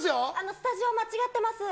スタジオ間違ってます。